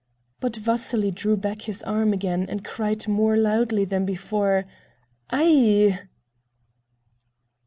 But Vasily drew back his arm again and cried more loudly than before: "Ai!"